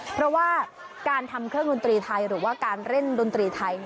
เพราะว่าการทำเครื่องดนตรีไทยหรือว่าการเล่นดนตรีไทย